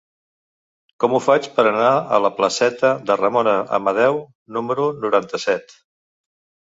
Com ho faig per anar a la placeta de Ramon Amadeu número noranta-set?